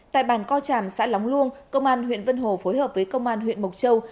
tại bàn co tràm xã lóng luông công an huyện vân hồ phối hợp với công an huyện mộc châu